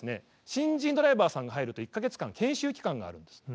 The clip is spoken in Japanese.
新人ドライバーさんが入ると１か月間研修期間があるんですって。